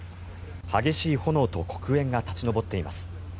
激しい炎と黒煙が立ち上っています。